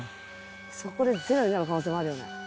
そこでゼロになる可能性もあるよね